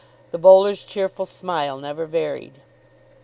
The bowler's cheerful smile never varied.